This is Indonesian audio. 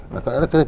nah kalau ada ktp